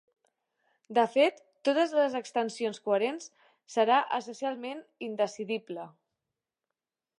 De fet, totes les extensions coherents serà essencialment indecidible.